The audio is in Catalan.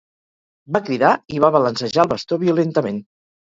Va cridar, i va balancejar el bastó violentament.